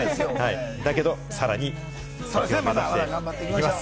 だけど、さらに伸ばしていきます。